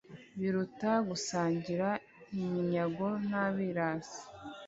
biruta gusangira iminyago n’abirasi